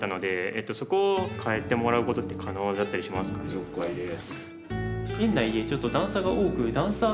・了解です。